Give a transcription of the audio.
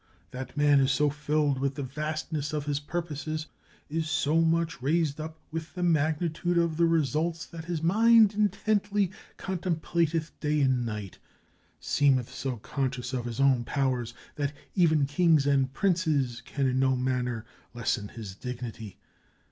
That man is so filled with the vastness of his purposes; is so much raised up with the magnitude of the results that his mind intently contemplateth day and night; seemeth so con scious of his own powers, that even kings and princes can in no manner lessen his dignity.